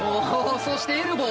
そしてエルボー。